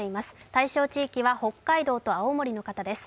対象地域は北海道と青森の方です。